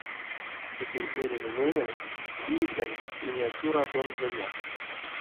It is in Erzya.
Текень эряви меремс лирикань миниатюрадонзояк.